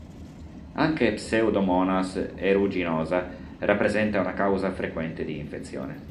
Anche Pseudomonas aeruginosa rappresenta una causa frequente di infezione.